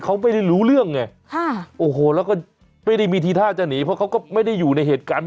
เขาไม่ได้รู้เรื่องไงไม่ได้มีที่ท่าจะหนีเพราะเขาก็ไม่ได้อยู่ในเหตุการณ์